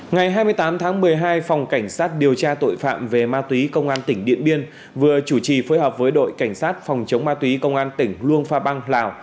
ngày hai mươi tám tháng một mươi hai phòng cảnh sát điều tra tội phạm về ma túy công an tỉnh điện biên vừa chủ trì phối hợp với đội cảnh sát phòng chống ma túy công an tỉnh luông pha băng lào